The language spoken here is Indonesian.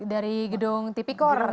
dari gedung tipikor